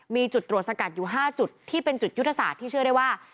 มีจุดตรวจสกัดอยู่๕จุดที่เป็นจุดยุทธศาสตร์ที่เชื่อได้ว่า